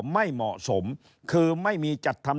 ไม่เหมาะสมคือไม่มีจัดทำ